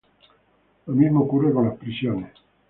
Lo mismo ocurre con las prisiones.